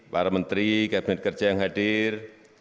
para menteri kabinet kerja yang hadir